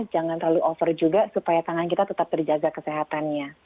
jangan terlalu over juga supaya tangan kita tetap terjaga kesehatannya